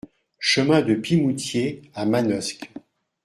Chemin de Pimoutier à Manosque